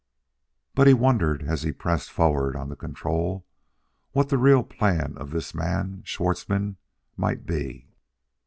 But he wondered, as he pressed forward on the control, what the real plan of this man, Schwartzmann, might be....